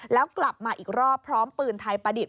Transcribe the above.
แล้วกลับมาอีกรอบพร้อมปืนไทยประดิษฐ